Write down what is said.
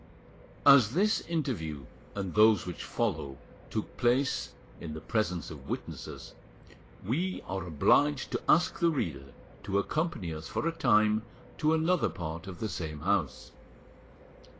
As this interview and those which follow took place in the presence of witnesses, we are obliged to ask the reader to accompany us for a time to another part of the same house.